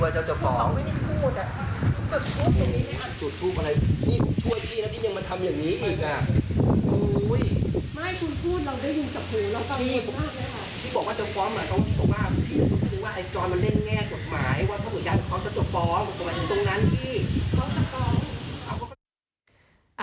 สุดพูดเ